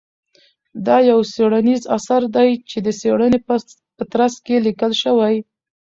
دا يو څېړنيز اثر دى چې د څېړنې په ترڅ کې ليکل شوى.